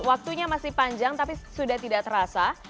waktunya masih panjang tapi sudah tidak terasa